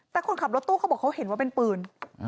แต่คนขับรถตู้เขาบอกเขาเห็นว่าเป็นปืน